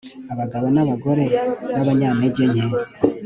abagabo n'abagore b'abanyantegenke